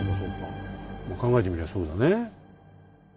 考えてみりゃそうだね。